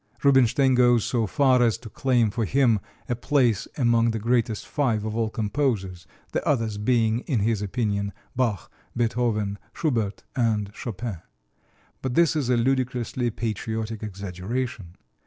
Rubinstein goes so far as to claim for him a place among the greatest five of all composers (the others being, in his opinion, Bach, Beethoven, Schubert and Chopin), but this is a ludicrously patriotic exaggeration.